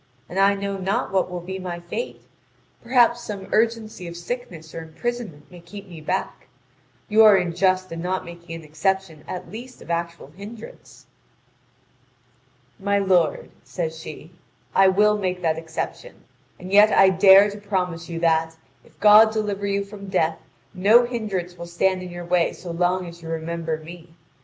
And I know not what will be my fate perhaps some urgency of sickness or imprisonment may keep me back: you are unjust in not making an exception at least of actual hindrance." "My lord," says she, "I will make that exception. And yet I dare to promise you that, if God deliver you from death, no hindrance will stand in your way so long as you remember me.